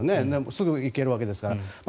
すぐに行けるわけですから。